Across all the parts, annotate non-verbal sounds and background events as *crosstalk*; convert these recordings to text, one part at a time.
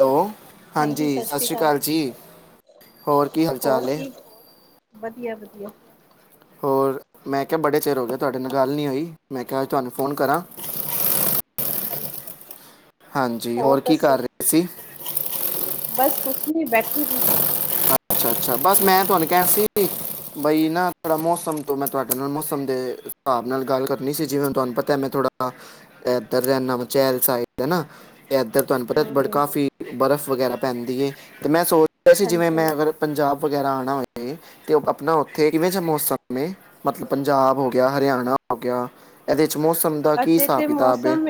Hello ਹਾਂਜੀ, ਸਤਿ ਸ਼੍ਰੀ ਅਕਾਲ ਜੀ, ਹੋਰ ਕੀ ਹਾਲ ਹੋਰ ਚਾਲ ਏ? ਕੀ ਵਧੀਆ, ਵਧੀਆ। ਹੋਰ ਮੈਂ ਕਿਹਾ ਬੜੇ ਚਿਰ ਹੋ ਗਏ ਤੁਹਾਡੇ ਨਾਲ ਗੱਲ ਨਹੀਂ ਹੋਈ। ਮੈਂ ਕਿਹਾ ਅੱਜ ਤੁਹਾਨੂੰ ਫੋਨ ਕਰਾਂ। ਹਾਂਜੀ ਹੋਰ ਕੀ ਕਰ ਦੱਸੋ? ਰਹੇ ਸੀ ਬਸ ਕੁਛ ਨਹੀਂ ਬੈਠੀ ਹੋਈ ਸੀ। ਅੱਛਾ, ਅੱਛਾ, ਬਸ। ਮੈਂ ਤੁਹਾਨੂੰ ਕਹਿਣਾ ਸੀ ਬਈ ਨਾ ਥੋੜਾ ਮੌਸਮ ਤੋਂ ਮੈਂ ਤੁਹਾਡੇ ਨਾਲ ਮੌਸਮ ਦੇ ਹਿਸਾਬ ਨਾਲ ਗੱਲ ਕਰਨੀ ਸੀ। ਜਿਵੇਂ ਹੁਣ ਤੁਹਾਨੂੰ ਪਤਾ ਮੈਂ ਥੋੜ੍ਹਾ ਇਧਰ ਜਾਂਨਾ ਮਚੈਲ ਸਾਈਡ ਹਨਾ। ਇੱਧਰ ਤੁਹਾਨੂੰ ਹੂੰ ਪਤਾ ਹੂੰ ਕਾਫ਼ੀ ਬਰਫ਼ ਵਗੈਰਾ ਪੈਂਦੀ ਏ। ਤੇ ਮੈਂ ਸੋਚ ਰਿਹਾ ਸੀ ਜਿਵੇਂ ਹਾਂਜੀ ਮੈਂ ਹਾਂਜੀ ਅਗਰ ਪੰਜਾਬ ਵਗੈਰਾ ਆਉਣਾ ਹੋਵੇ। ਤੇ ਆਪਣਾ ਉੱਥੇ ਕਿਵੇਂ ਜਿਹਾ ਮੌਸਮ ਏ? ਮਤਲਬ ਪੰਜਾਬ ਹੋ ਗਿਆ, ਹਰਿਆਣਾ ਹੋ ਗਿਆ। ਇਹਦੇ ਚ ਮੌਸਮ ਦਾ ਕੀ ਅਜੇ ਹਿਸਾਬ ਤੇ ਕਿਤਾਬ ਏ? ਮੌਸਮ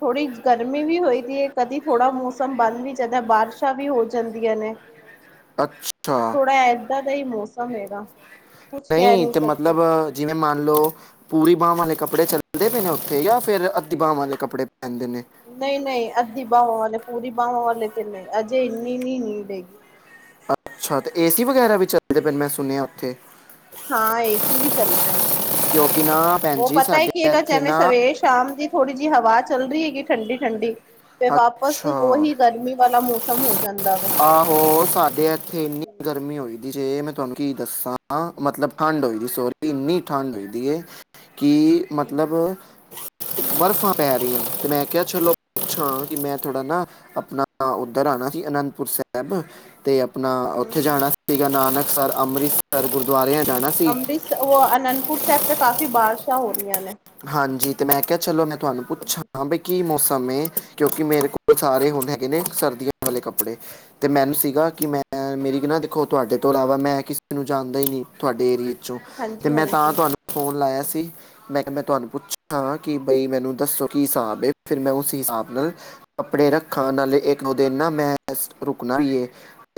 ਥੋੜ੍ਹੀ ਗਰਮੀ ਵੀ ਹੋਈ ਦੀ ਏ ਕਦੀ ਥੋੜ੍ਹਾ ਮੌਸਮ ਬਣ ਵੀ ਜਾਂਦਾ। ਬਾਰਿਸ਼ਾਂ ਵੀ ਹੋ ਜਾਂਦੀਆਂ ਨੇ। *inaudible* ਅੱਛਾ ਥੋੜਾ ਏਦਾਂ ਦਾ ਹੀ ਮੌਸਮ ਹੈਗਾ। ਕੁਛ ਕਹਿ ਨਹੀਂ ਤੇ ਸਕਦੇ ਮਤਲਬ ਜਿਵੇਂ ਮੰਨ ਲਓ। ਪੂਰੀ ਬਾਂਹ ਵਾਲੇ ਕੱਪੜੇ ਚੱਲਦੇ ਪਏ ਨੇ ਉੱਥੇ ਜਾਂ ਫਿਰ ਅੱਧੀ ਬਾਂਹ ਵਾਲੇ ਕੱਪੜੇ ਪੈਂਦੇ ਨੇ? ਨਹੀਂ ਨਹੀਂ ਅੱਧੀ ਬਾਹਵਾਂ ਵਾਲੇ, ਪੂਰੀ ਬਾਂਵਾਂ ਵਾਲੇ ਤੇ ਨਹੀਂ ਅਜੇ ਇੰਨੀ ਨੀ ਨੀਡ ਹੈਗੀ। ਅੱਛਾ ਤੇ ਏ-ਸੀ ਵਗੈਰਾ ਵੀ ਚੱਲਦੇ ਪਏ ਨੇ, ਮੈਂ ਸੁਣਿਆ ਉੱਥੇ। ਹਾਂ ਏ-ਸੀ ਵੀ ਚੱਲ ਪਏ ਨੇ ਕਿਉਂਕਿ ਨਾ ਭੈਣ ਉਹ ਜੀ ਪਤਾ ਹੈ ਕੀ ਸਾਡੇ ਹੈਗਾ ਇੱਥੇ ਜਿਵੇਂ ਨਾ ਸਵੇਰੇ ਸ਼ਾਮ ਦੀ ਥੋੜ੍ਹੀ ਜਿਹੀ ਹਵਾ ਚੱਲ ਰਹੀ ਹੈਗੀ ਠੰਡੀ ਠੰਡੀ। ਤੇ ਵਾਪਸ ਅੱਛਾ ਉਹੀ ਗਰਮੀ ਵਾਲਾ ਮੌਸਮ ਹੋ ਜਾਂਦਾ ਵੇ। ਆਹੋ ਸਾਡੇ ਇੱਥੇ ਇੰਨੀ ਗਰਮੀ ਹੋਈ। ਜੀ ਮੈਂ ਤੁਹਾਨੂੰ ਕੀ ਦੱਸਾਂ ਮਤਲਬ ਠੰਡ ਹੋਈ ਦੀ ਸੋਰੀ ਇੰਨੀ ਠੰਢ ਹੋਈ ਦੀ ਏ। ਕਿ ਮਤਲਬ ਬਰਫ਼ਾਂ ਪੈ ਰਹੀਆਂ ਤੇ ਮੈਂ ਕਿਹਾ ਚਲੋ। ਪੁੱਛਾਂ ਕਿ ਮੈਂ ਥੋੜਾ ਨਾ ਆਪਣਾ ਉੱਧਰ ਆਣਾ ਸੀ ਅਨੰਦਪੁਰ ਸਾਹਿਬ ਤੇ ਆਪਣਾ ਉੱਥੇ ਹਮ ਜਾਣਾ ਸੀਗਾ ਨਾਨਕਸਰ, ਅੰਮ੍ਰਿਤਸਰ, ਗੁਰਦੁਆਰਿਆਂ ਜਾਣਾ। ਸੀ ਅੰਮ੍ਰਿਤਸਰ ਉਹ ਅਨੰਦਪੁਰ ਸਾਹਿਬ ਤੇ ਕਾਫੀ ਬਾਰਸ਼ਾਂ ਹੋ ਰਹੀਆਂ ਨੇ। ਹਾਂਜੀ, ਤੇ ਮੈਂ ਕਿਹਾ ਚਲੋ ਮੈਂ ਤੁਹਾਨੂੰ ਪੁੱਛਾਂ ਬੀ ਕੀ ਮੌਸਮ ਏ? ਕਿਉਂਕਿ ਮੇਰੇ ਕੋਲ ਸਾਰੇ ਹੁਣ ਹੈਗੇ ਨੇ ਸਰਦੀਆਂ ਵਾਲੇ ਕੱਪੜੇ। ਤੇ ਮੈਨੂੰ ਸੀਗਾ ਕਿ ਮੈਂ ਮੇਰੀ ਨਾ ਦੇਖੋ ਤੁਹਾਡੇ ਤੋਂ ਇਲਾਵਾ ਮੈਂ ਕਿਸੇ ਨੂੰ ਜਾਣਦਾ ਹੀ ਨੀ ਤੁਹਾਡੇ ਏਰੀਏ। ਤੇ ਹਾਂਜੀ ਮੈਂ ਤਾਂ ਹਾਂਜੀ ਤੁਹਾਨੂੰ ਫੋਨ ਲਾਇਆ ਸੀ। ਮੈਂ ਕਿਹਾ ਤੁਹਾਨੂੰ ਪੁੱਛਾਂ ਕਿ ਬਈ ਮੈਨੂੰ ਦੱਸੋ ਕੀ ਹਿਸਾਬ ਫਿਰ ਮੈਂ ਉਸ ਹਿਸਾਬ ਨਾਲ ਕੱਪੜੇ ਰੱਖਾਂ ਨਾਲੇ ਇੱਕ-ਦੋ ਦਿਨ ਮੈਂ ਰੁਕਣਾ ਈਏ।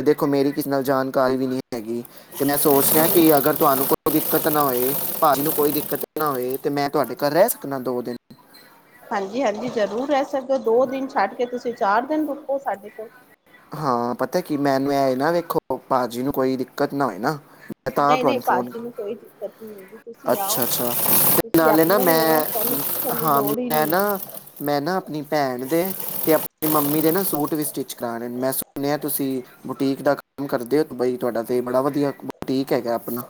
ਦੇਖੋ ਮੇਰੀ ਕਿਸੇ ਨਾਲ ਜਾਣਕਾਰੀ ਵੀ ਨਹੀਂ ਹੈਗੀ ਤੇ ਮੈਂ ਸੋਚ ਹਾਂਜੀ ਰਿਹਾ ਹਾਂਜੀ ਕਿ ਅਗਰ ਤੁਹਾਨੂੰ ਕੋਈ ਦਿੱਕਤ ਨਾ ਹੋਯੇ, ਤੁਹਾਨੂੰ ਕੋਈ ਦਿੱਕਤ ਨਾ ਹੋਯੇ ਤੇ ਮੈਂ ਤੁਹਾਡੇ ਘਰ ਰਹਿ ਸਕਦਾ ਦੋ ਦਿਨ। ਹਾਂਜੀ-ਹਾਂਜੀ, ਜ਼ਰੂਰ ਰਹਿ ਸਕਦੇ ਹੋ, ਦੋ ਦਿਨ ਛੱਡ ਕੇ ਤੁਸੀਂ ਚਾਰ ਦਿਨ ਰੁਕੋ ਸਾਡੇ ਕੋਲ। ਹਾਂ, ਪਤਾ ਕੀ ਮੈਨੂੰ ਇਹ ਨਾ ਵੇਖੋ, ਭਾਜੀ ਨੂੰ ਕੋਈ ਦਿੱਕਤ ਨਾ ਹੋਏ ਨਾ। ਮੈ ਤਾਂ ਨਹੀਂ ਨਹੀਂ ਤੁਹਾਨੂੰ ਫੋਨ ਭਾਜੀ ਨੂੰ ਕੋਈ ਦਿੱਕਤ ਨਹੀਂ ਹੈਗੀ ਤੁਸੀਂ ਆਓ ਅੱਛਾ-ਅੱਛਾ। ਤੁਸੀਂ ਨਾਲੇ ਨਾ ਆਪਣੇ ਹੀ ਮੈਂ ਹੋ ਤੁਹਾਨੂੰ ਪੁੱਛਣ ਦੀ ਹਾਂ ਲੋੜ ਹੀ ਮੈਂ ਨਹੀਂ ਨਾ ਹੈਗੀ ਮੈਂ ਨਾ ਆਪਣੀ ਭੈਣ ਦੇ ਤੇ ਆਪਣੀ ਮੰਮੀ ਦੇ ਨਾ ਸੂਟ ਵੀ ਸਟਿਚ ਕਰਾਣੇ ਮੈਂ ਸੁਣਿਆ ਹ ਤੁਸੀਂ ਬੁਟੀਕ ਦਾ ਕੰਮ ਕਰਦੇ ਹੋ ਬਾਈ ਤੁਹਾਡਾ ਤਾਂ ਇਹ ਬੜਾ ਵਧੀਆ ਬੁਟੀਕ ਹੈਗਾ ਆਪਣਾ।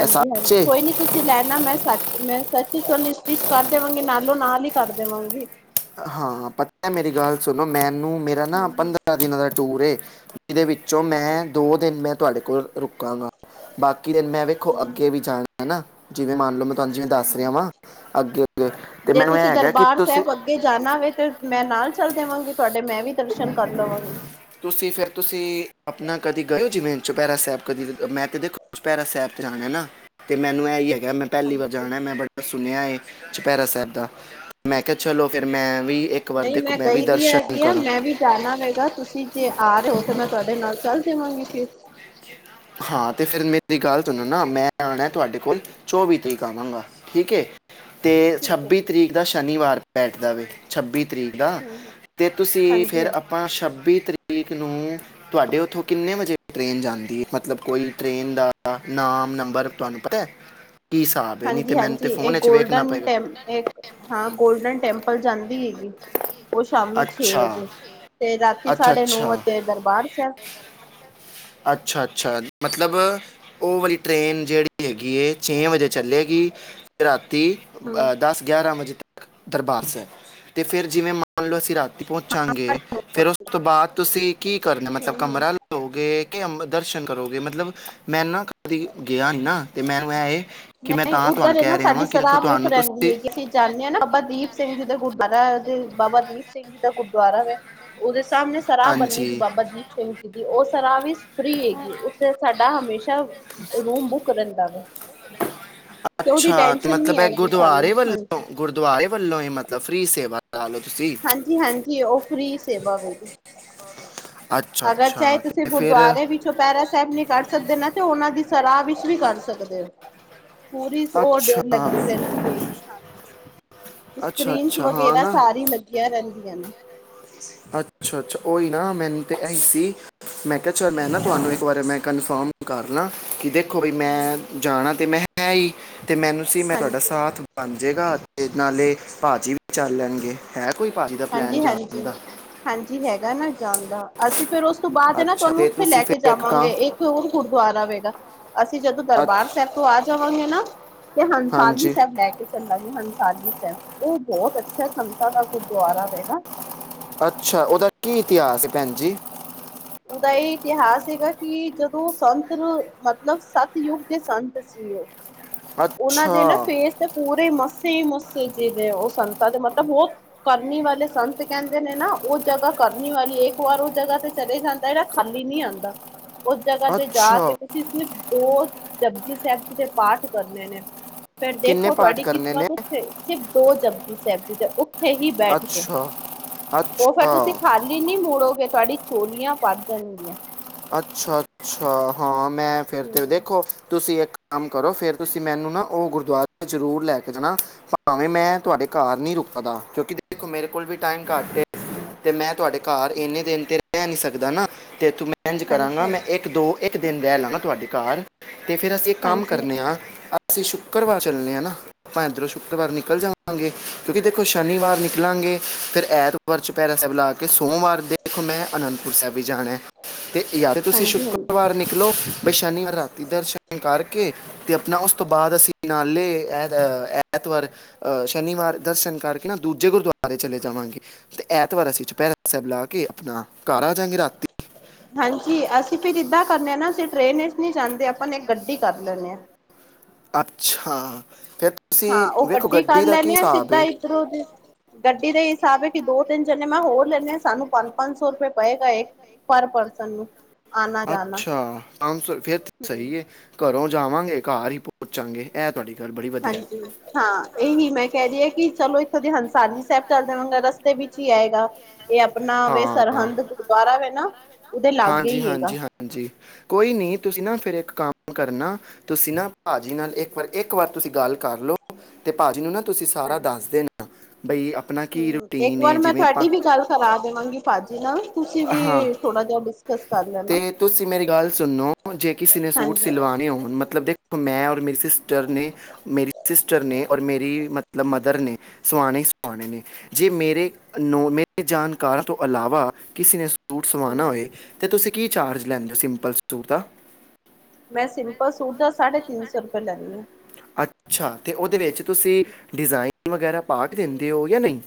ਇਹ ਸੱਚੇ ਕੋਈ ਨੀ ਤੁਸੀਂ ਤੁਸੀ ਲੈ ਆਂਨਾ ਮੈਂ ਸੱਚ ਮੈਂ- ਸੱਚ ਹੀ ਤੁਹਾਨੂੰ ਸਟਿਚ ਕਰ ਦੇਵਾਂਗੀ ਨਾਲੋਂ-ਨਾਲ ਹੀ ਕਰ ਦੇਵਾਂਗੀ। ਹਾਂ, ਪਤਾ ਮੇਰੀ ਗੱਲ ਸੁਣੋ ਮੈਨੂੰ ਹੈਨਾ, ਹੂੰ-ਹੂੰ ਪੰਦਰਾਂ ਦਿਨਾਂ ਦਾ ਟੂਰ, ਏ ਜਿਹਦੇ ਵਿੱਚੋਂ ਮੈਂ ਅੱਛਾ-ਅੱਛਾ ਦੋ ਦਿਨ ਮੈਂ ਤੁਹਾਡੇ ਕੋਲ, ਬਾਕੀ ਦਿਨ ਮੈਂ ਵੇਖੋ ਹੂੰ-ਹੂੰ ਅੱਗੇ ਵੀ ਜਾਣਾ ਨਾ। ਜਿਵੇਂ ਮੰਨ ਲਓ ਮੈਂ ਤੁਹਾਨੂੰ ਦੱਸ ਰਿਹਾ ਹੂੰ-ਹੂੰ ਵਾਂ ਅੱਗੇ-ਅੱਗੇ ਤੇ ਜੇ ਮੈਨੂੰ ਇਹ ਤੁਸੀਂ ਹੈਗਾ ਕਿ ਦਰਬਾਰ ਤੁਸੀਂ ਸਾਹਿਬ ਅੱਗੇ ਜਾਣਾ ਵੇ ਤੇ ਮੈਂ ਨਾਲ ਚੱਲ ਦੇਵਾਂਗੀ ਤੁਹਾਡੇ ਮੈਂ ਵੀ ਦਰਸ਼ਨ ਕਰ ਲਵਾਂਗੀ। ਤੁਸੀਂ ਫਿਰ ਤੁਸੀਂ ਆਪਣਾ ਕਦੇ ਗਏ ਹੋ ਜਿਵੇ ਚੋਪੈਰਾ ਸਾਹਿਬ ਕਦੀ ਮੈਂ ਤੇ ਦੇਖੋ ਚੋਪੈਰਾ ਸਾਹਿਬ ਤੇ ਆਣਾ ਨਾ। ਤੇ ਮੈਨੂੰ ਇਹ ਹੀ ਹੈਗਾ ਮੈਂ ਪਹਿਲੀ ਵਾਰ ਹਾਂਜੀ ਜਾਣਾ ਮੈਂ ਬੜਾ ਸੁਣਿਆ ਹੈ ਚੁਪੈਰਾ ਸਾਹਿਬ ਦਾ। ਮੈਂ ਕਿਹਾ ਚਲੋ ਫਿਰ ਮੈਂ ਵੀ ਇੱਕ ਵਾਰ ਦੇਖੋ, ਮੈਂ ਵੀ ਦਰਸ਼ਨ ਕਰਾਂ। ਧਿਆਨ ਨਾਲ ਰਹੇਗਾ, ਤੁਸੀਂ ਜੇ ਆ ਰਹੇ ਹੋ ਤਾਂ ਮੈਂ ਤੁਹਾਡੇ ਨਾਲ ਚੱਲ ਜਾਵਾਂਗੀ ਫ। ਹਾਂ, ਤੇ ਫਿਰ ਮੇਰੀ ਗੱਲ ਸੁਣੋ ਨਾ ਮੈਂ ਆਣਾ ਤੁਹਾਡੇ ਕੋਲ ਚੌਵੀ ਤਰੀਕ ਆਵਾਂਗਾ ਠੀਕ ਏ। ਤੇ ਠੀਕ ਹੈ ਛੱਬੀ ਠੀਕ ਤਰੀਕ ਦਾ ਸ਼ਨੀਵਾਰ ਬੈਠ ਦਾ ਵੇ। ਛੱਬੀ ਤਰੀਕ ਦਾ ਹੂੰ-ਹੂੰ ਤੇ ਤੁਸੀਂ ਫਿਰ ਹਾਂਜੀ-ਹਾਂਜੀ, ਆ ਛੱਬੀ ਤਰੀਕ ਨੂੰ ਤੁਹਾਡੇ ਉੱਥੋਂ ਕਿੰਨੇ ਵਜੇ ਟ੍ਰੇਨ ਜਾਂਦੀ ਏ। ਮਤਲਬ ਕੋਈ ਟ੍ਰੇਨ ਦਾ ਨਾਮ, ਨੰਬਰ ਤੁਹਾਨੂੰ ਪਤਾ ਹੈ। ਕੀ ਹਿਸਾਬ ਹੈ ਨਹੀਂ ਤੇ ਮੈਨੂੰ ਹਾਂਜੀ-ਹਾਂਜੀ, ਤੇ ਇਹ ਫੋਨ 'ਚ ਵੇਖਣਾ ਗੋਲਡਨ ਪਏਗਾ ਟੈਂ ਹਾਂ ਗੋਲਡਨ ਟੈਂਪਲ ਜਾਂਦੀ ਹੈਗੀ। ਉਹ ਸ਼ਾਮੀ ਛੇ ਅੱਛਾ ਵਜੇ ਤੇ ਰਾਤੀ ਅੱਛਾ ਸਾਢੇ ਨੌ ਅੱਛਾ ਵਜੇ ਦਰਬਾਰ ਸਾਹਿਬ। ਅੱਛਾ-ਅੱਛਾ ਮਤਲਬ ਉ ਵਾਲੀ ਟ੍ਰਰੇਨ ਜਿਹੜੀ ਹੈਗੀ ਹੈ ਛੇ ਵਜੇ ਚੱਲੇਗੀ ਅਤੇ ਰਾਤੀ ਦਸ-ਗਿਆਰਾਂ ਵਜੇ ਤੱਕ ਦਰਬਾਰ ਸਾਹਿਬ ਤੇ ਫਿਰ ਜਿਵੇਂ ਮੰਨ ਲਓ ਅਸੀਂ ਰਾਤੀ ਪਹੁੰਚਾਂਗੇ ਫੇਰ ਉਸ ਤੋਂ ਬਾਅਦ ਤੁਸੀਂ ਕੀ ਕਰਨਾ ਮਤਲਬ ਹੂੰ-ਹੂੰ-ਹੂੰ ਕਮਰਾ ਲ ਦੋਗੇ ਕੇ ਦਰਸ਼ਨ ਕਰੋਗੇ ਮਤਲਬ ਮੈਂ ਨਾ ਕਦੀ ਗਿਆ ਨੀ ਨਾ ਤੇ ਮੈਨੂੰ ਐ ਇਹ ਕਿ ਮੈਂ ਨਹੀਂ ਤਾਂ ਤੁਹਾਨੂੰ ਉੱਧਰ ਨਾ ਕਹਿ ਰਿਹਾ ਸਾਡੀ ਹਾਂ ਕਿ ਦੇਖੋ ਸਰਾਹ ਬੁਕ ਤੁਹਾਨੂੰ ਰਹਿੰਦੀ ਤੁਸੀਂ ਹੈਗੀ ਅ। ਜਾਂਦੇ ਹਾਂ ਨਾ ਬਾਬਾ ਦੀਪ ਸਿੰਘ ਜੀ ਦਾ ਗੁਰਦੁਆਰਾ ਦੇ ਬਾਬਾ ਦੀਪ ਸਿੰਘ ਜੀ ਦਾ ਗੁਰਦੁਆਰਾ ਹੈ। ਉਹਦੇ ਸਾਹਮਣੇ ਸਰਾਹ ਬੰਨੇ ਦੀ ਹਾਂਜੀ ਬਾਬਾ ਦੀਪ। ਸਿੰਘ ਜੀ ਦੀ ਉਹ ਸਰਹਾ ਫਰੀ ਹੈਗੀ ਉੱਥੇ ਸਾਡਾ ਹਮੇਸ਼ਾ ਰੂਮ ਬੁੱਕ ਰਹਿੰਦਾ ਵਾ। ਅੱਛਾ ਤੇ ਮਤਲਬ ਨਹੀਂ ਐ ਆਏਗੀ ਸਾਨੂੰ ਗੁਰਦੁਆਰੇ ਵੱਲੋਂ ਹਾਂਜੀ ਗੁਰਦੁਆਰੇ ਵੱਲੋਂ ਈ ਮਤਲਬ ਫ੍ਰਰੀ ਸੇਵਾ ਲਾ ਲੋ ਤੁਸੀਂ। ਹਾਂਜੀ-ਹਾਂਜੀ ਓ ਫਰੀ ਸੇਵਾ *unintelligible* ਅੱਛਾ ਅਗਰ ਚਾਏ ਅੱਛਾ ਤੁਸੀਂ ਤੇ ਫਿਰ ਗੁਰਦੁਆਰੇ ਵਿੱ ਚਪੈਰਾ ਸੈਬ ਨੀ ਕਰ ਸਕਦੇ ਨਾ ਤੇ ਓਨਾਂ ਦੀ ਸਲਾਹ ਵਿੱਚ ਵੀ ਕਰ ਸਕਦੇ। ਪੂਰੀ ਓਡ ਅੱਛਾ ਲੱਗੀ ਰੈਂਦੀ ਏ ਹਾਂਜੀ। ਅੱਛਾ ਸਕ੍ਰਰੀਨਸ ਅੱਛਾ ਹਾਂ ਵਗੈਰਾ ਨਾ ਸਾਰੀ ਲੱਗੀਆਂ ਰੈਂਦੀਆਂ ਨੇ। ਅੱਛਾ-ਅੱਛਾ ਓਈ ਨਾ ਮੈਨੂੰ ਤੇ ਐਈ ਸੀ ਮੈਂ ਕਿਆ ਚੱਲ ਮੈਂ ਨਾ ਤੁਹਾਨੂੰ ਇੱਕ ਬਾਰੇ ਮੈਂ ਕਨਫਰਮ ਕਰ ਲਾਂ ਕਿਦੇ ਕੋਈ ਮੈਂ ਹੂੰ ਜਾਣਾ ਤੇ ਮੈਂ ਹੀ ਤੇ ਮੈਨੂੰ ਸੀ ਮੈਂ ਤੁਹਾਡਾ ਹਾਂਜੀ ਸਾਥ ਬਣ ਜੇਗਾ ਤੇ ਨਾਲੇ ਭਾਅਜੀ ਵੀ ਚੱਲ ਲੈਣਗੇ। ਹੈ ਕੋਈ ਭਾਜੀ ਦਾ ਪਲਾਨ ਜਾਣ ਦਾ ਹਾਂਜੀ-ਹਾਂਜੀ-ਹਾਂਜੀ ਹੈਗਾ ਨਾ ਜਾਣ ਦਾ ਅਸੀਂ ਫੇਰ ਉਸ ਤੋਂ ਬਾਦ ਨਾ ਅੱਛਾ ਤੁਹਾਨੂੰ ਤੇ ਉੱਥੇ ਤੁਸੀਂ ਲੈ ਕੇ ਫਿਰ ਇੱਕ ਕਾਂ ਜਾਵਾਂਗੇ ਇੱਕ ਹੋਰ ਗੁਰਦੁਆਰਾ ਆਵੇਗਾ ਅਸੀਂ ਜਦੋਂ ਅੱਛ ਦਰਬਾਰ ਸੈਬ ਤੋਂ ਆ ਜਾਵਾਂਗੇ ਨਾ ਤੇ ਹੰਸਾਲੀ ਹਾਂਜੀ ਸੈਬ ਲੈ ਕੇ ਚੱਲਾਂਗੇ ਹੰਸਾਲੀ ਸੈਬ ਓ ਬੋਤ ਅੱਛਾ *unintelligible* ਤਾਂ ਦਾ ਗੁਰਦੁਆਰਾ *unintelligible* ਨਾ। ਅੱਛਾ ਓਦਾ ਕੀ ਇਤਿਹਾਸ ਏ ਭੈਣ ਜੀ? ਓਦਾ ਏ ਇਤਿਹਾਸ ਹੈਗਾ ਕੀ ਜਦੋਂ ਸੰਤ ਮਤਲਬ ਸਤਯੁਗ ਦੇ ਸੰਤ ਜੀ ਓ ਓਨਾਂ ਅੱਛਾ ਦੇ ਨਾ ਫੇਸ ਤੇ ਪੂਰੇ ਮੱਸੇ ਈ ਮੱਸੇ ਜੇੜੇ ਓ ਸੰਤਾਂ ਦੇ ਮਤਲਬ ਓ ਕਰਨੀ ਵਾਲੇ ਸੰਤ ਕੈਂਦੇ ਨੇ ਨਾ ਓ ਜਗ੍ਹਾ ਕਰਨੀ ਵਾਲੀ ਇੱਕ ਵਾਰ ਓ ਜਗ੍ਹਾ ਤੇ ਚਲੇ ਜਾਂਦੈ ਜੇੜਾ ਖਾਲੀ ਨੀ ਆਂਦਾ ਉਸ ਜਗ੍ਹਾ ਤੇ ਜਾ ਕੇ ਅੱਛਾ ਤੁਸੀਂ ਦੋ ਜਪਜੀ ਸੈਬ ਜੀ ਦੇ ਪਾਠ ਕਰਨੇ ਨੇ ਫੇਰ ਕਿੰਨੇ ਦੇਖੋ ਪਾਠ ਤੁਹਾਡੀ ਕਰਨੇ ਨੇ ਕਿਸਮਤ ਸਿਫ ਦੋ ਜਬਜੀ ਸੈਬ ਜ਼ੀ ਦੇ ਉੱਥੇ ਹੀ ਬੈਠ ਕੇ ਅੱਛਾ ਓ ਫੇਰ ਤੁਸੀਂ ਅੱਛਾ ਖਾ ਲੀ ਨੀ ਮੁੋੜੋਗੇ ਤੁਹਾਡੀ ਚੋਲੀਆਂ ਭਰ ਜਾਣਗੀਆਂ। ਅੱਛਾ-ਅੱਛਾ ਹਾਂ ਮੈਂ ਫੇਰ ਤੇ ਹਮ ਦੇਖੋ ਤੁਸੀਂ ਇੱਕ ਕੰਮ ਕਰੋ ਫੇਰ ਤੁਸੀਂ ਮੈਨੂੰ ਨਾ ਓ ਗੁਰਦੁਆਰੇ ਜ਼ਰੂਰ ਲੈ ਕੇ ਜਾਣਾ ਭਾਵੇਂ ਮੈਂ ਤੁਹਾਡੇ ਘਰ ਨੀ ਰੁਕਦਾ ਕਿਉਂਕੀ ਦੇਖੋ ਮੇਰੇ ਕੋਲ ਵੀ ਟਾਈਮ ਘੱਟ ਏ ਤੇ ਮੈਂ ਤੁਹਾਡੇ ਘਰ ਇੰਨੇ ਦਿਨ ਤੇ ਰੈ ਨੀ ਸਕਦਾ ਨਾ ਤੇ ਤੂੰ ਮੈ ਐਂਜ ਹਾਂਜੀ ਕਰਾਂਗਾ ਹਾਂਜੀ ਮੈਂ ਏ ਕ ਦੋ ਇੱਕ ਦਿਨ ਰੈ ਲੈਣਾ ਤੁਹਾਡੇ ਘਰ ਤੇ ਫੇਰ ਅਸੀਂ ਇੱਕ ਕੰਮ ਹਾਂਜੀ ਹਾਂਜੀ ਕਰਨੇ ਆ ਅਸੀਂ ਸ਼ੁੱਕਰਵਾਰ ਚੱਲੇਨੇ ਆ ਨਾ। ਆਪਾਂ ਇੱਧਰੋਂ ਸ਼ੁੱਕਰਵਾਰ ਨਿਕਲ ਜਾਵਾਂਗੇ ਕਿਉਂਕੀ ਦੇਖੋ ਸ਼ਨੀਵਾਰ ਨਿਕਲਾਂਗੇ ਫੇਰ ਐਤ ਕ ਚਪੈਰਾ ਸੈਬ ਲਾ ਕੇ ਸੋਮਵਾਰ ਦੇਖੋ ਮੈਂ ਅਨੰਦਪੁਰ ਸਾਇਬ ਵੀ ਜਾਣਾ। ਤੇ ਯਾਰ ਤੁਸੀਂ ਹਾਂਜੀ ਹਾਂਜੀ ਸ਼ੁੱਕਰਵਾਰ ਨਿਕਲੋ ਬੇ ਸ਼ਨੀਵਾਰ ਰਾਤੀ ਦਰਸ਼ਨ ਕਰਕੇ ਤੇ ਆਪਣਾ ਉਸ ਤੋਂ ਬਾਦ ਅਸੀਂ ਨਾਲੇ ਐ ਐਤਵਾਰ ਅ ਸ਼ਨੀਵਾਰ ਦਰਸ਼ਨ ਕਰਕੇ ਨਾ ਦੂਜੇ ਗੁਰਦੁਆਰੇ ਚਲੇ ਜਾਵਾਂਗੇ। ਤੇ ਐਤਵਾਰ ਅਸੀਂ ਚੁਪੈਰਾ ਸਾਬ ਲਾ ਕੇ ਆਪਣਾ ਘਰ ਆ ਜਾਂਗੇ ਰਾਤੀ। ਹਾਂਜੀ ਅਸੀਂ ਫਿਰ ਇਦਾਂ ਕਰਨੇ ਆ ਨਾ ਅਸੀਂ ਟ੍ਰੇਨ ਵਿੱਚ ਨੀ ਜਾਂਦੇ ਆਪਾਂ ਇੱਕ ਗੱਡੀ ਕਰ ਲੈਂਨੇ ਆ। ਅੱਛਾ ਫ ਹਾਂ ਓ ਗੱਡੀ ਕਰ ਲੈਣੇ ਆ ਸਿੱਧਾ ਇੱਧਰੋਂ ਦੀ ਗੱਡੀ ਦਾ ਹਿਸਾਬ ਐ ਕੀ ਦੋ-ਤਿੰਨ ਜਣੇੇ ਮੈਂ ਹੋਰ ਲੈਂਨੇ ਆ ਸਾਨੂੰ ਪੰਜ-ਪੰਜ ਸੌ ਰੁਪਏ ਪਏਗਾ ਏ *inaudible* ਜਾਣਾ ਅੱਛਾ ਪੰਜ ਸੌ ਫੇਰ ਤੇ ਸਈ ਹੂੰ ਏ। ਘਰੋਂ ਜਾਵਾਂਗੇ ਘਰ ਈ ਪੋਂਚਾਂਗੇ ਐ ਤੁਹਾਡੀ ਗੱਲ ਬੜੀ ਵਧੀਐ। ਹਾਂਜੀ ਹਾਂ ਐਹੀ ਮੈਂ ਕੈਰੀ ਆ ਕੀ ਚਲੋ ਇਥੋਂ ਦੇ ਹੰਸਾਨੀ ਸੈਬ ਚੱਲ ਦੇਵਾਂਗਾ ਰਸਤੇ ਵਿੱਚ ਈ ਆਏਗਾ। ਏ ਆਪਣਾ ਵੇ ਹਾਂ ਸਰਹੰਦ ਗੁਰਦੁਆਰਾ ਵਾ ਨਾ ਉਦੇ ਲਾਗੇ ਈ ਏਗਾ। ਜੀ ਕੋਈ ਨਹੀਂ ਤੁਸੀਂ ਨਾ, ਫਿਰ ਇੱਕ ਕੰਮ ਕਰਨਾ। ਤੁਸੀਂ ਨਾ, ਭਾਜੀ ਨਾਲ ਇੱਕ ਵਾਰ ਇੱਕ ਵਾਰ ਤੁਸੀਂ ਗੱਲ ਕਰ ਲਓ। ਤੇ ਭਾਜੀ ਨੂੰ ਨਾ। ਤੁਸੀਂ ਸਾਰਾ ਹਾਂਜੀ। ਦੱਸ ਦੇਦੇ ਹੋ, ਬਈ ਆਪਣਾ ਕੀ, ਹੂੰ, ਇੱਕ ਰੂਟੀਨ ਵਾਰ ਮੈਂ ਜਿਵੇਂ ਆਪਾਂ। ਤੁਹਾਡੀ ਵੀ ਗੱਲ ਕਰਾ ਦੇਵਾਂਗੀ ਭਾਜੀ ਨਾ। ਹਾਂ ਲੈਣਾ। ਤੇ ਤੁ, ਸੀਂ ਮੇਰੀ ਗੱਲ ਸੁਣੋ ਜੇ, ਕਿਸੇ ਨੇ, ਸੂਟ ਹਾਂਜੀ, ਸਿਲਵਾਉਣੇ ਹੋਣ ਮਤਲਬ ਦੇਖੋ ਮੈਂ, ਔਰ ਮੇਰੀ ਸਿਸਟਰ ਨੇ, ਮੇਰੀ ਸਿਸਟਰ ਨੇ ਔਰ ਮੇਰੀ ਮਤਲਬ ਮਦਰ ਨੇ ਸੁਆਣੇ-ਸੁਆਣੇ ਨੇ ਜੇ, ਮੇਰੇ ਨੋਵੇ ਮੇਰੇ ਜਾਣਕਾਰਾਂ ਤੋਂ, ਇਲਾਵਾ ਕਿਸੇ ਨੇ ਸੂਟ ਸਵਾਉਣਾ ਹੂੰ ਹੋਏ। ਅਤੇ ਤੁਸੀਂ ਕੀ ਚਾਰਜ ਲੈਂਦੇ ਹੋ, ਸਿੰਪਲ ਸੂਟ ਦਾ। ਮੈਂ, ਸਿੰਪਲ ਸੂਟ ਦਾ ਸਾਢੇ ਤਿੰਨ ਸੌ ਰੁਪਏ ਲੈਂਦੀ ਹਾਂ। ਅੱਛਾ ਅਤੇ ਉਹਦੇ ਵਿੱਚ ਤੁਸੀਂ ਡਿਜ਼ਾਇਨ ਵਗੈਰਾ ਪਾ ਦਿੰਦੇ ਹੋ, ਜਾਂ ਨਹੀਂ।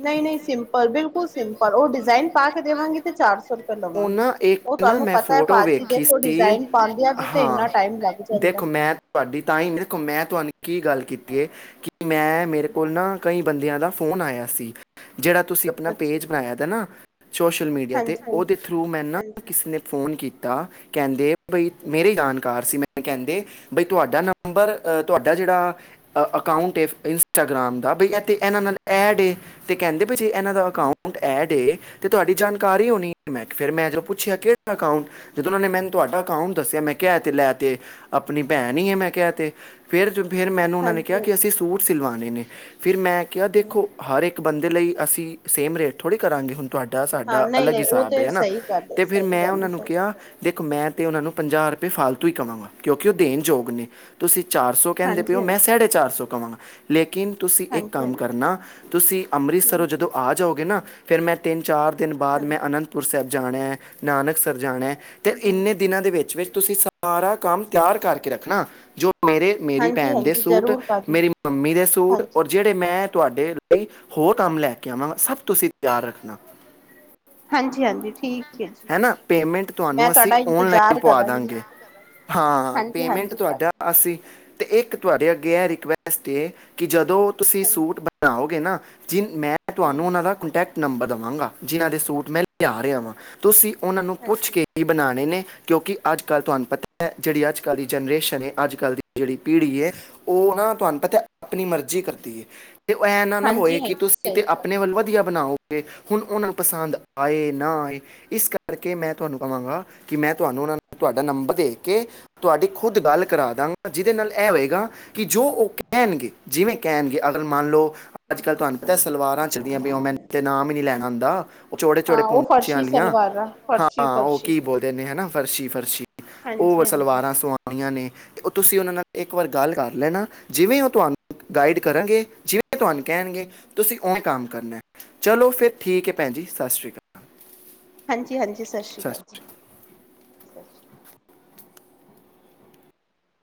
ਨਹੀਂ-ਨਹੀਂ ਸਿੰਪਲ ਬਿਲਕੁਲ ਸਿੰਪਲ ਉਹ ਡਿਜ਼ਾਇਨ ਪਾ ਕੇ, ਦੇਵਾਂਗੇ। ਤੇ ਚਾਰ ਸੌ ਰੁਪ ਉਹ ਲਵਾਂਗੇ ਨਾ ਇੱਕ ਉਹ ਨਾ ਤੁਹਾਨੂੰ ਮੈਂ ਪਤਾ ਹੈ। ਫੋਟੋ ਭਾਜੀ ਵੇਖੀ ਦੇਖੋ ਸੀ ਡਿਜ਼ਾਇਨ ਪਾਉਂਦਿਆਂ ਵੀ, ਤੇ ਹਾਂ ਇਨਾ ਟਾਈਮ ਲੱਗ ਜਾਂਦਾ! ਦੇਖੋ ਮੈਂ ਤੁਹਾਡੀ ਤਾਂ ਹੀ ਦੇਖੋ ਮੈਂ, ਤੁਹਾਨੂੰ ਕੀ ਗੱਲ ਕੀਤੀ ਹੈ। ਕਿ ਮੈਂ ਮੇਰੇ ਕੋਲ ਨਾ, ਕਈ ਬੰਦਿਆਂ ਦਾ ਫੋਨ ਆਇਆ ਸੀ। ਜਿਹੜਾ ਤੁਸੀਂ ਆਪਣਾ ਅੱਛਾ, ਪੇਜ ਬਣਾਇਆ ਤ ਨਾ ਸੋਸ਼ਲ ਮੀਡੀਆ ਤੇ, ਉਹਦੇ ਹਾਂਜੀ-ਹਾਂਜੀ-ਹਾਂਜੀ, ਥਰੂ ਮੈਂਨੂੰ ਕਿਸੇ ਨੇ, ਫੋਨ ਕੀਤਾ ਕੀਤਾ ਕਹਿੰਦੇ ਬਈ ਮੇਰੇ ਜਾਨਕਾਰ ਸੀ। ਮੈ ਕਹਿੰਦੇ ਬਈ ਤੁਹਾਡਾ ਨ ਨੰਬਰ ਤੁਹਾਡਾ ਜਿਹੜਾ ਅਕਾਊਂਟ ਇੰਸਟਾਗ੍ਰਾਮ ਦਾ ਬ ਇਥੇ ਇਹਨਾਂ ਨਾਲ ਐਡ ਏ, ਤੇ ਕਹਿੰਦੇ ਵੀ, ਜੇ ਇਹਨਾਂ ਦਾ ਅਕਾਊਂਟ ਐਡ ਏ, ਤੇ ਤੁਹਾਡੀ ਜਾਣਕਾਰੀ ਹੋਣੀ ਮੈਂ, ਫਿਰ ਮੈਂ ਜਦੋਂ ਪੁੱਛਿਆ ਕਿਹੜਾ ਅਕਾਊਂਟ ਜਦੋਂ ਉਹਨਾਂ ਨੇ ਮੈਨੂੰ ਤੁਹਾਡਾ ਅਕਾਊਂਟ ਦੱਸਿਆ। ਮੈਂ, ਕਿਹਾ ਤੇ ਲੈ, ਤੇ ਆਪਣੀ ਭੈਣ ਹੈ ਮੈਂ, ਕਹਿ ਤੇ, ਫਿਰ ਫਿਰ ਮੈਨੂੰ ਉਹਨਾਂ ਨੇ ਕਿਹਾ ਹਾਂਜੀ-ਹਾਂਜੀ। ਕਿ ਅਸੀਂ ਸੂਟ ਸਿਲਵਾਣੇ ਨੇ, ਫਿਰ ਮੈਂ ਕਿਆ ਦੇਖੋ ਹਰ ਇੱਕ ਬੰਦੇ ਲਈ ਅਸੀਂ ਸੇਮ ਰੇਟ ਥੋੜ੍ਹੀ ਕਰਾਂਗੇ! ਹੁਣ ਤੁਹਾਡਾ ਹਾਂ ਸਾਡਾ ਅਲੱਗ ਨਹੀਂ-ਨਹੀਂ ਉਹ ਹਿਸਾਬ ਤੇ ਹੈਨਾ ਸਹੀ ਗੱਲ ਹੈ, ਤੇ, ਫਿਰ ਸਹੀ ਮੈਂ ਗੱਲ ਉਹਨਾਂ ਹੈ, ਨੂੰ ਸਹੀ ਕਿਹਾ। ਦੇਖੋ ਮੈਂ, ਤਾਂ ਉਹਨਾਂ ਨੂੰ ਪੰਜਾਹ ਰੁਪਏ ਫਾਲਤੂ ਹੀ ਕਵਾਂਗਾ ਕਿਉਂਕਿ ਉਹ ਦੇਣ ਯੋਗ ਨੇ, ਤੁਸੀਂ ਚਾਰ ਸੌ ਕਹਿੰਦੇ ਪਏਓ ਮੈਂ, ਹਾਂਜੀ-ਹਾਂਜੀ, ਸਾਢੇ ਚਾਰ ਸੌ, ਕਵਾਂਗਾ ਲੇਕਿਨ ਤੁਸੀਂ ਇੱਕ ਕੰਮ ਹਾਂਜੀ-ਹਾਂਜੀ, ਕਰਨਾ। ਤੁਸੀਂ ਅੰਮ੍ਰਿਤਸਰ ਹੂੰ-ਹੂੰ, ਜਦੋਂ ਆ ਜਾਓਗੇ। ਨਾ ਫਿਰ ਮੈਂ ਤਿੰਨ ਚਾਰ ਦਿਨ ਬਾਅਦ ਹਾਂਜੀ, ਮੈਂ ਅਨੰਤ ਪੁਰ ਸਾਹਿਬ ਜਾਣਾ ਹੈ। ਨਾਨਕਸਰ ਜ ਜਾਣਾ ਹੈ ਤਾਂ ਹੂੰ-ਹੂੰ। ਇੰਨੇ ਦਿਨਾਂ ਦੇ ਵਿੱਚ-ਵਿੱਚ ਤੁਸੀਂ ਸਾਰਾ ਕੰਮ ਤਿਆਰ ਕਰਕੇ ਰੱਖਣਾ! ਜੋ ਮੇਰੇ ਮੇਰੀ ਭੈਣ ਦੇ ਹਾਂਜੀ-ਹਾਂਜੀ ਸੂਟ, ਜ਼ਰੂਰ ਭਾਜੀ ਮੇਰੀ ਮੰਮੀ ਦੇ, ਸੂਟ ਹਾਂਜੀ, ਔ ਜਿਹੜੇ ਮੈਂ ਤੁਹਾਡੇ ਲਈ ਹੋਰ ਕੰਮ ਲੈ, ਕੇ ਆਵਾਂਗਾ ਸਭ ਤੁਸੀਂ ਤਿਆਰ ਰੱਖਣਾ। ਹਾਂਜੀ-ਹਾਂਜੀ ਠੀਕ। ਹੈ ਜੀ। ਹੈਨਾ। ਪੇਮੈਂਟ ਮੈਂ ਤੁਹਾਨੂੰ ਅਸੀਂ ਤੁਹਾਡਾ ਓਨਲਾਈਨ ਇੰਤਜ਼ਾਰ ਪਵਾ ਕਰਾਂਗੀ ਦਾਂਗੇ। ਹਾਂ ਪੇਮੈਂਟ ਹਾਂਜੀ-ਹਾਂਜੀ ਤੁਹਾਡਾ ਭਾਜੀ ਅਸੀ ਤੇ, ਇੱਕ ਤੁਹਾਡੇ ਅੱਗੇ ਇਹ ਰਿਕੁਐਸਟ ਏ, ਕਿ ਜਦੋਂ ਤੁਸੀਂ ਸੂਟ ਹਾਂਜੀ ਬਣਾਗੇ ਨਾ ਜੀ ਮੈਂ ਤੁਹਾਨੂੰ ਹੂੰ ਉਹਨਾਂ ਦਾ ਕੰਟੈਕਟ ਨੰਬਰ ਦੇਵਾਂਗਾ। ਜਿਨ੍ਹਾਂ ਦੇ ਸੂਟ ਮੈਂ ਲਿਆ ਰਿਹਾ ਵਾਂ, ਤੁਸੀਂ ਉਹਨਾਂ ਨੂੰ ਪੁੱਛ ਹਾਂਜੀ। ਕੇ ਹੀ ਬਣਾਉਣੇ ਨੇ ਕਿਉਂਕਿ ਅੱਜ-ਕੱਲ੍ਹ ਤੁਹਾਨੂੰ ਪਤਾ ਹੈ ਜਿਹੜੀ ਅੱਜ-ਕੱਲ੍ਹ ਦੀ ਜਨਰੇਸ਼ਨ ਹੈ, ਅੱਜ ਕੱਲ੍ਹ ਦੀ ਜਿਹੜੀ ਪੀੜ੍ਹੀ ਹੈ ਉਹ ਨਾ ਤੁਹਾਨੂੰ ਪਤਾ ਆਪਣੀ ਮਰਜ਼ੀ ਕਰਦੀ ਹੈ। ਤੇ ਐ ਨਾ ਹੋਏ ਕਿ ਹਾਂਜੀ-ਹਾਂਜੀ ਤੁਸੀਂ ਤੇ ਸਹੀ ਆਪਣੇ ਗੱਲ ਵੱਲ ਵਧੀਆ ਬਣਾਓ ਹੁਣ ਉਹਨਾਂ ਨੂੰ ਪਸੰਦ ਆਏ ਨਾ ਆਏ ਇਸ ਕਰਕੇ ਮੈਂ, ਤੁਹਾਨੂੰ ਕਹਾਂਗਾ। ਕਿ ਮੈਂ ਤੁਹਾਨੂੰ ਉਹਨਾਂ ਨੂੰ ਤੁਹਾਡਾ ਨੰਬਰ ਦੇ ਕੇ ਤੁਹਾਡੀ ਖੁਦ ਗੱਲ ਕਰਾ ਦਾਂਗਾ ਜਿਹਦੇ ਨਾਲ ਇਹ ਹੋਏਗਾ ਕਿ ਜੋ ਉਹ ਕਹਿਣਗੇ, ਜਿਵੇਂ ਕਹਿਣਗੇ ਅਗਰ ਮੰਨ ਲਓ ਅੱਜ ਕੱਲ੍ਹ ਤੁਹਾਨੂੰ ਪਤਾ ਸਲਵਾਰਾਂ ਚੱਲਿਆ ਪਈਆਂ ਉਹ ਮੈਨੂੰ ਤਾਂ ਨਾਮ ਹੀ ਨਹੀਂ ਲੈਣਾ ਆਉਂਦਾ ਉਹ ਚੌੜੇ ਹਾਂ ਚੋੜੇ ਉਹ ਪੁਹੰਚਿਆ ਫਰਸ਼ੀ ਵਾਲੀਆਂ ਸਲਵਾਰਾਂ ਹਾਂ ਉਹ ਫਰਸ਼ੀ-ਫਰਸ਼ੀ ਕੀ ਬੋਲਦੇ ਨੇ ਹਨਾ ਫਰਸ਼ੀ ਫਰਸ਼ੀ ਉਹ ਹਾਂਜੀ-ਹਾਂਜੀ। ਸਲਵਾਰਾਂ ਸ *unintelligible* ਉਹ ਤੁਸੀਂ ਉਹਨਾਂ ਨਾਲ ਇੱਕ ਵਾਰ ਗੱਲ ਕਰ ਲੈਣਾ ਜਿਵੇਂ ਉਹ ਤੁਹਾਨੂੰ ਗਾਈਡ ਕਰਾਂਗੇ ਜਿਵੇਂ ਤੁਹਾਨੂੰ ਕਹਿਣਗੇ ਤੁਸੀਂ ਉਵੇਂ ਕੰਮ ਕਰਨਾ। ਚਲੋ ਫੇਰ ਠੀਕ ਹੈ ਭੈਣ ਜੀ ਸਤਿ ਸ੍ਰੀ ਅਕਾਲ। ਹਾਂਜੀ ਹਾਂਜੀ ਸਤਿ ਸ਼੍ਰੀ ਅਕਾਲ